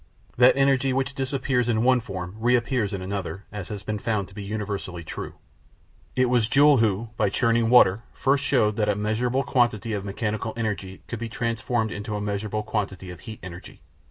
That energy which disappears in one form reappears in another has been found to be universally true. It was Joule who, by churning water, first showed that a measurable quantity of mechanical energy could be transformed into a measurable quantity of heat energy.